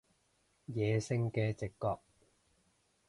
野性嘅直覺